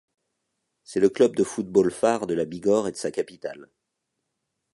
C'est le club de football phare de la Bigorre et de sa capitale.